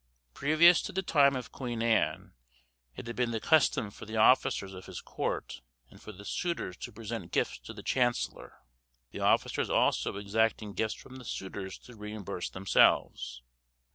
Previous to the time of Queen Anne, it had been the custom for the officers of his court and for the suitors to present gifts to the chancellor; the officers also exacting gifts from the suitors to reimburse themselves.